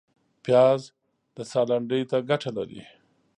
پیاز د ساه لنډۍ ته ګټه لري